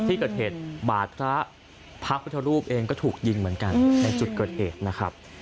ที่เกิดเหตุบาดพระพระพุทธรูปเองก็ถูกยิงเหมือนกันในจุดเกิดเหตุนะครับ